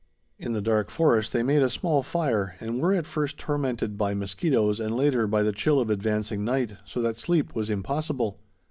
In the dark forest they made a small fire, and were at first tormented by mosquitoes and, later, by the chill of advancing night, so that sleep was impossible.